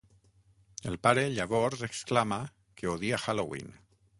El pare llavors exclama que odia Halloween.